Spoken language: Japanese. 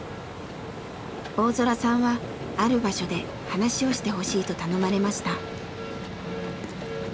大空さんはある場所で話をしてほしいと頼まれました。